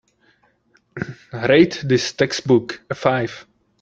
Rate this textbook a five